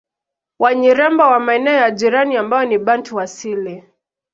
Wanyiramba wa maeneo ya jirani ambao ni Bantu asili